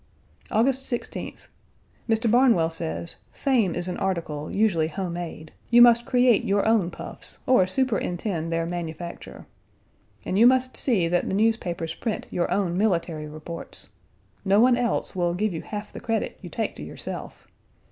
August 16th. Mr. Barnwell says, Fame is an article usually home made; you must create your own puffs or superintend their manufacture. And you must see that the newspapers print your own military reports. No one else will give you half the credit you take to yourself.